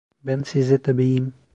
Ben size tabiyim.